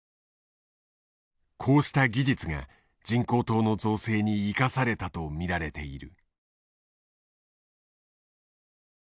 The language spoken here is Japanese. こうした技術が人工島の造成に生かされたと見られている。